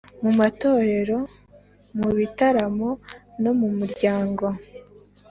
mu matorero, mu bitaramo no mu muryango.